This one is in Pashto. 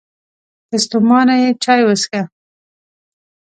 که ستومانه یې، چای وڅښه!